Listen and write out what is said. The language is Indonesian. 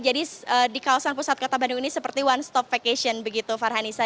jadi di kawasan pusat kota bandung ini seperti one stop vacation begitu farhanisa